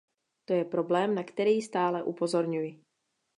To je problém, na který stále upozorňuji.